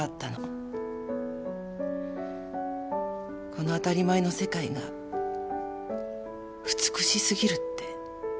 この当たり前の世界が美しすぎるって。